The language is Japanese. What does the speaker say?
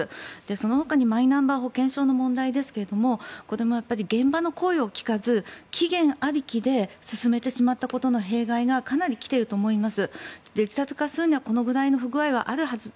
そのほかにマイナ保険証の問題ですがこれも現場の声を聞かず期限ありきで進めてしまったことの弊害がかなり来ていると思います。